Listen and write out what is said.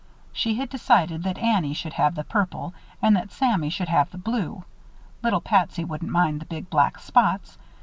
She had decided that Annie should have the purple and that Sammy should have the blue. Little Patsy wouldn't mind the big black spots.